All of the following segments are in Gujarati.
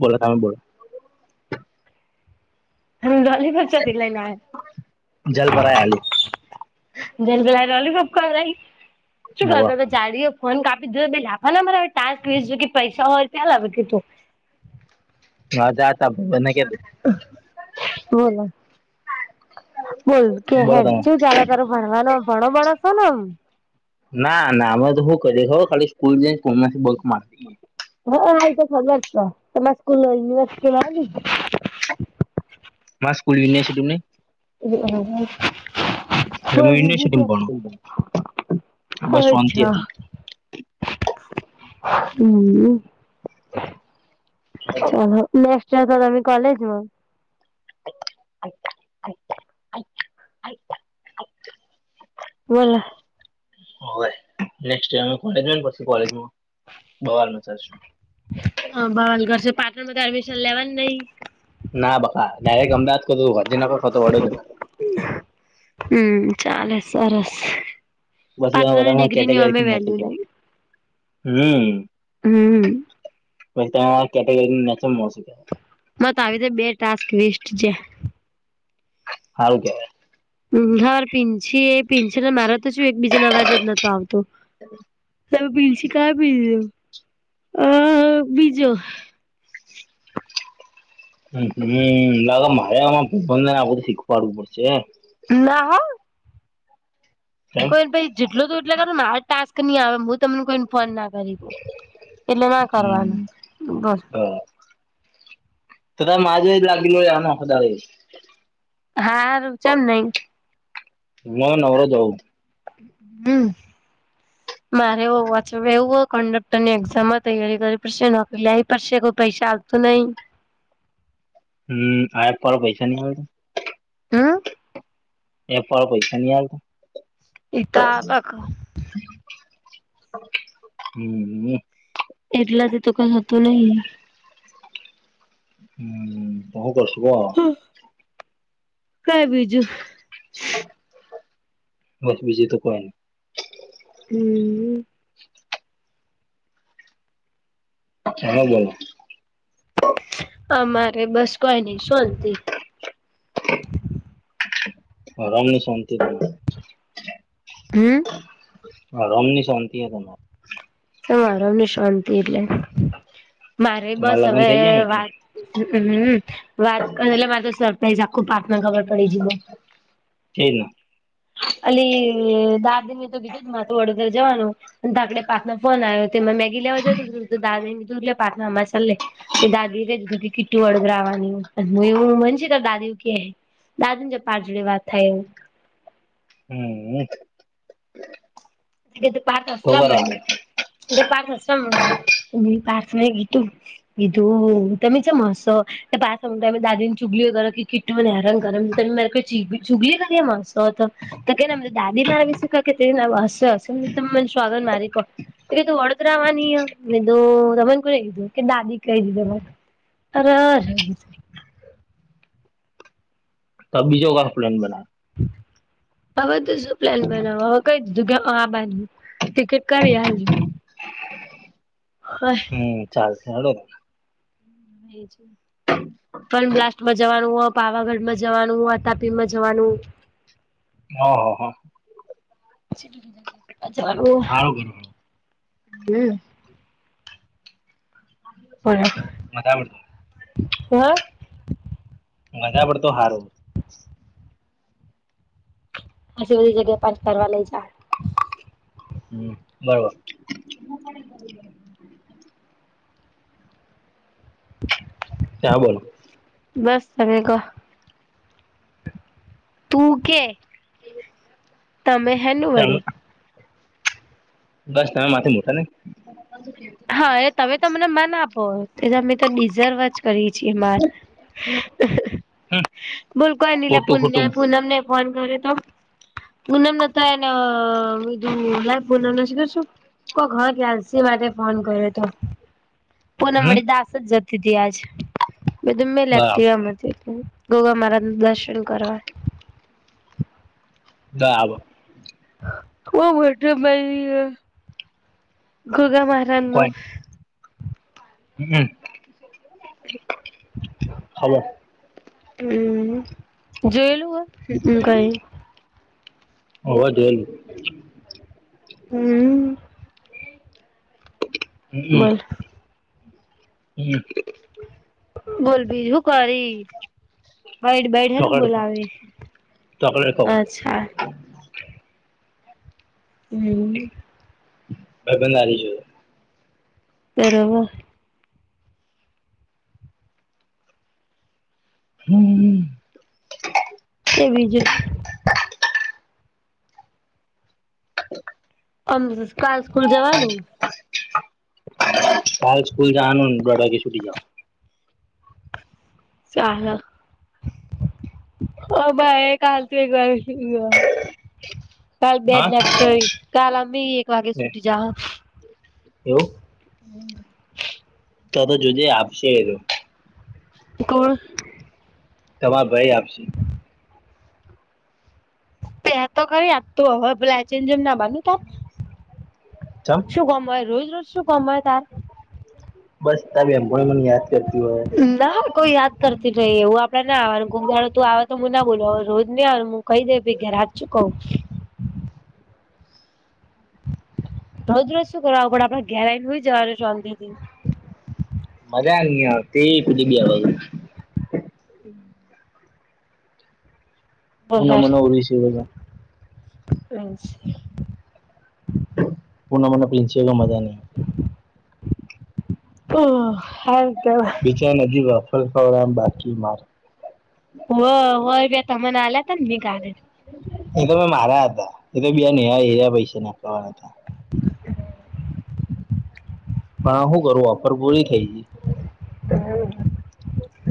બોલો તમે બોલો. હમ લોલીપોપ તેથી લઈને આવ્યા. જલપરાય આલી [unintelligible] ઝાડી એ ફોન કાપી દીધો, બે લાફા નો મરાય ટાસ્ક વેસ્ટ ગી પૈસા [inaudible] તી તુ. હજા [unintelligible] બોલો? બોલ? બોલો કહેર તમે શું ચાલે તારુ ભણવાનો ભણો બણો છો ને? ના ના અમે તો શું કરીએ ખબર, ખાલી સ્કૂલ જઈને કોઈ નથી બલ્ક માર દઈએ હા આ તો ખબર સો તમારા સ્કૂલ યુનિવર્સિટીમાં આવી? અમાર સ્કૂલ યુનિવર્સીટી મા નઈ' [inaudible] એટલે બોલ હું બીજુ યુનિવર્સિટીમાં ભણું શું બસ શાંતિ છે? હતી [inaudible] હમ ચાલો નેક્સ્ટ યર તો તમે કોલેજમાં. [inaudible] બોલો? હોય નેક્સ્ટ યર કોલેજ [inaudible] કોલેજ મા બબાલ મચાવશું. હ બવાલ કરશે પાટણ માં તો એડમિશન લેવાની નઈ? ના બકા ડાયરેક્ટ અમદાવાદ કતું ગાંધીનગર કતું વડોદરા. હમ્મ ચાલે સરસ! બદલા પાટણની બધામા ડિગ્રીની અમે કેટેગરી વેલ્યુ નહી. [inaudible] હમ્મ હમ્મ પછી ત્યાં કેટેગરી [unintelligible] મારેતો આવી રીતે બે ટાસ્ક વેસ્ટ છે. હારુ કેવાય. હર પીંછી એ પીંછી ને મારત તોછું એકબીજાનો અવાજ જ નત આવતો [unintelligible] હ બીજો [unintelligible] સીખવાડવુ પડશે ના હો કોઈ જેટલો કર એટલુ કર મારે ટાસ્ક નહી આવે હું તમને કોઈ ને ફોન ના કરી શકુ. એટલે ના હમ કરવાનું બસ. [unintelligible] હારુ ચેમ નઈ? મન નવા જઉ. હમ્મ. [inaudible] મારે એવું વાચ એવું હો કન્ડક્ટર ની એક્ઝામમાં તૈયારી કરી પડશે, નોકરી લાવવી પડશે કોઈ પૈસા આ લતું નહી? હમ્મ આ [unintelligible] પૈસા ન આવે હમ્મ. [unintelligible] પૈસા ની આવે? ઈ તો આવક હમ્મ. એટલાથી તો કઈ હતું નહી. હમ્મ હુ કરશે હો? કઈ બીજું? બસ બીજું તો કોઈ ની હમ અત્યારે હુ કરો? અમારે બસ કોઈ નઈ શાંતિ. હરામની શાંતિ. હમ્મ હરામ ની શાંતિ હે તમારે કેમ હરામ ની શાંતિ એટલે મારે તમારે બસ લગ્ન હવે થઇ જાય ને એટલે વાત હમ્મ વાત કર એટલે મા તો [unintelligible] પાર્થ ખબર પડી છે જ ને અલી દાદી ને તો કીધું વડોદર જવાનું ધાકડે પાર્થ નો ફોન આયો તેમાં મેગી લેવા તે દાદી એ કહી દીધું કે [unintelligible] હમ્મ [unintelligible] પાર્થ તો હસવા કરાવે મંડ્યો પાર્થ હસવા મંડ્યો. એધું તમે ચમ હશો કે પાસળ ઊંઘ્યા પહી દાદી ને ચુગલીઓ કરે કે કીટુંને હેરાન કરે તમે માર ચિગ ચુગલી કરી એમાં હસો તો કે ના માર દાદી મારા વિશે ક કે તે આવ હશે હશે મેં કીધું તમન સોગન મારી કો એટલે તું વડોદરા આવાની હ મેં કીધુ તમન કોને કીધું કે દાદી કઈ દીધુ મન અર ર તો આ બીજો વાર પ્લેન બનાયો અવે તો શું પ્લેન બનાવુ હવે કઈ દીધુ કે હઅ આબાની હુ ટિકિટ કરી આ. [inaudible] હમ, ચાલસે હેડો એ જે ફન બ્લાસ્ટમાં જવાનું હ, પાવાગઢમા જવાનું હ, અતાપીમાં જવાનુ ઓ હો હો સારું કરું હમ્મ પરા મજા પડશે [unintelligible] મજા પડતો હારુ આટલી બધી જગ્યાએ, પાર્થ ફરવા લઈ જાહે. હમ, બરોબર ત્યા બોલો બસ તમે કો, તુ કે [inaudible] તમે હેનું ચાલ વડી બસ તમે મારથી મોટા ને હા એ તમે તો મને માન આપો એ અમે તો ડિઝર્વ જ કરી છી માન, હમ બોલ કોઈ ની લયા ખોટું ખોટું પુણ્યા પૂનમ ને ફોન કર્ય તો પૂનમને તો હેન કીધું લાય પૂનમને સીકર શુ કો હ ત્યાલસી માટે ફોન કર્યો તો પૂનમ હમ વડી દાસજ જતી તી આજ મેં કીધું મેલ બરાબર એક્ટિવા મથી ગોગા મારાજના દર્શન કરવા બરાબર બઉ મોટું મંદિર હ ગોગા મારાજનુ કોઈ હમ, હલો. હમ, જોયેલું હ હોવ જોયેલુ હમ્મ બોલ હમ્મ બોલ બીજુ હુ કરી બઈડ બઇડ હેનું ચોકલેટ ખાઉં બોલાવે, ચોકલેટ ખાઉં અચ્છા. હમ. ભઈબંધ હારી જયો બરોબર. હમ. કે બીજું. અમ કાલ સ્કૂલ જવાનું? કાલ સ્કુલ જવાનું ન દોડ વાગે સુટી જવાનું. સાલ, અમારે કાલ તો એક વાગે ફ્રી હ કાલ બે જ હા લેક્ચર હી કાલ અમી એક વાગે સુટી જાહ. એવું. હમ. તો તો જોજે એ આપશે એ રયો. તુ ખોલ. તમા ભઈ આપશે. પેહા તો કરી આપતું હવ પલાચી ન જેમ ના માન તો આપ. ચમ. શું કોમ હોય રોજ રોજ શું કોમ હોય તાર. બસ તાર બેનપણીઓ મન યાદ કરતી હોય. ના કોઈ યાદ કરતી નહી એવું આપડે ના આવાનું કોક દાડો તું આવ તો હું ના બોલાવુ રોજ નહી આવેનું મૂ કહી દે ભઈ ઘે રાત છું કહું. રોજ રોજ શું કરવા આવું પડ આપડ ઘેરાઈન હુઈ જવાનું શોન્તીથી. મજા ની આવતી કુધી ગવા હમ. હું ના મને ઉ વિસ હજાર. ફેન છે. પુન મન પીંછે એટલ મજા નહી. ઓ હ હારું કેવા ચોય નદી વાફરતા હોય ઓમ બાકી માર. ઓવ હોય બે તમન આલ્યા તાન ની ગાલે. એ તો મારા હતા એ તો બીયા નેહાએ એરયા પૈસા નાખવાના હતા. [unintelligible] પણ આ હુ કરું ઓફર પૂરી થઈ ગી.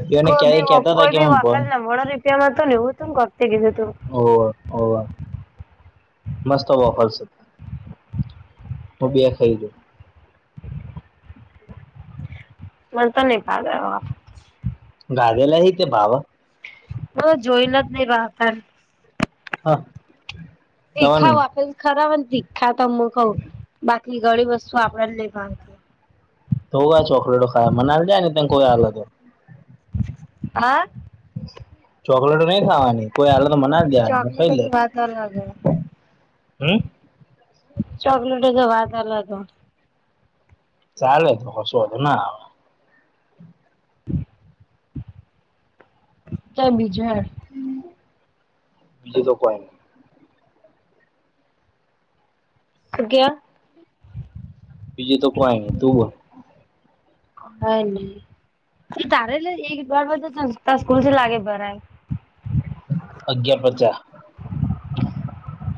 ગઈ એને કોઈ ક્યાંય ભી ઓફ કેતા હતા કોઈ કે ભી ભણ વફલ ના મોડ રે. તેમાં હતો નેવું તુંમ કરતી કીધું તું. ઓવ ઓવ. મસ્ત ઓફરસ હું બે ખઈ જઉ. મન તો નઈ ભાગ લેવો. ગાધેલા હી તે ભાવ. હ જોઈને જ નહી ભાવતાન. હા. તન એખા વાપેસ ખરાબ હોયન તીખા તોમું કઉ બાકી ગળી વસ્તુ આપડાન નઈ ભાવતી. તો હુઆ ચોકલેટો ખાય મના આલ દેન તન કોઈ આલત તો. હા. ચોકલેટો નહી ખાવાની કોઈ આલ તો મન આલ દેવાની હું ચોકલેટ ખઈ લએ તો વાત અલગ હે હમ. ચોકલેટો તો વાત અલગ હ. ચાલે તો કશું વાંધો ના આવ. ત બીજા હમ બીજું તો કોઈ નઈ. અયા બીજું તો કોય ન તું હ નને તારે એક બર ત સ્કૂલ લાગે પરા અગિયાર પચાસ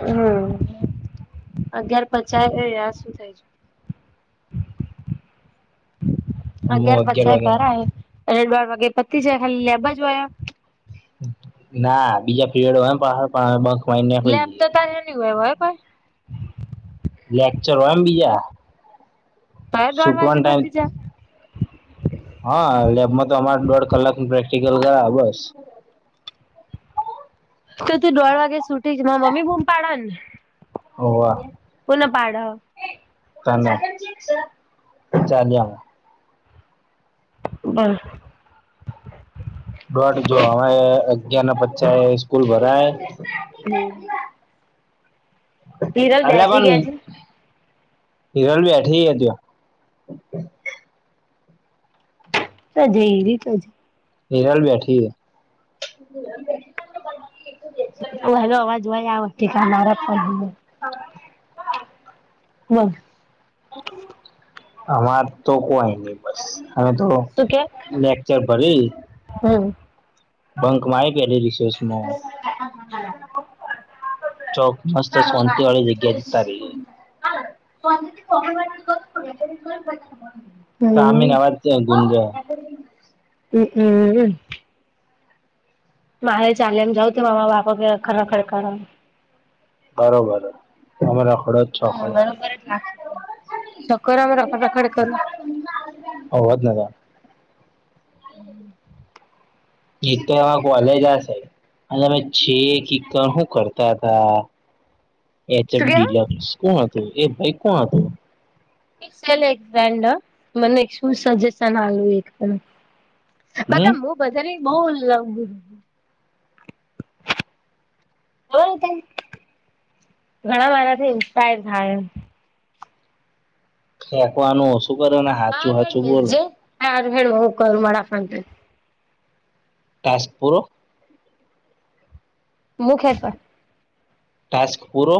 હમ અગયાર પચાસ શું થાય છે. [unintelligible] અગિયાર પાંછાય ભરા અને બાર વાગે પતિ જાય ખાલી લેબા જયા ના બીજા પીરિયડ એમ પા પણં લેબ નીકળી તો તારેની હોય હોય પણાઈ લેક્ચર હોય એમ બીજા ત દોઢ છૂટવાનો વાગે ટાઈમ પતી જ હા લેબમાં તો અમારે દોઢ કલાક પ્રેક્ટિકલ કરા બસ તો તું દોઢ વાગે સુટી જ મારા મમ્મી બૂમ પાાડે ને હ વાહ કોને પાડે ત ચલી બહ ડોટ જો હરે અગિયાર ના પછા સ્કૂલ ભરાય હમ અલ બેસી પણ ગયા છે. હિરલ બીઠી ત તજ રી તજ હરાલ બેઠીએ હ ઓ હેલો અવાજ હોય આ વખતે ક મારા પણ બ આમાં તો કોઈ નહી બસ હવે તો શું કે? લેકચર ભરી હમ બંકમાં આવી કે રિશેષમાં ચોક મસ્ત સોંત વાળી જગ્યા જીતા રહી. કો તોામમે નવારથી ગુંજ હમમમ મારે ચાલે એમ જાાવ તો મામા બાપ કે ખરખર કર બરોબર તમારા ખડોજ છોખો સકર અમે રખાડ રખાડે કર અવાદનગર હમ જેતેમાં કોલેજ હશે અને અમે છે કણ શું કરતા હતા. શું કેવ? એચમડીલ કોણ હતું એ ભાઈ કોણ હતું. મને શું સજેશનલું એક હમ બતા હું બધા બહુ લ બર ત ઘણા મારાથી ઇન્સ્પાયર થયા એ કક આનું ઓશું કરે ને હાચું હાચું બોલો હા હ હક મળફંત તજપો મુખે પણ ટાસ્ક ફૂરો